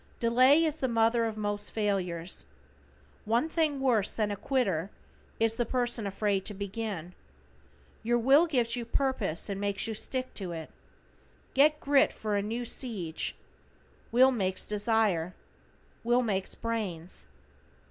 Delay is the mother of most failures. One thing worse than "a quitter," is the person afraid to begin. Your Will gives purpose and makes you stick to it. Get grit for a new siege. Will makes desire. Will makes brains.